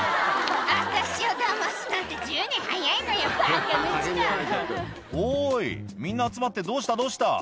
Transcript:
「私をダマすなんて１０年早いのよバカ息子」「おいみんな集まってどうしたどうした？」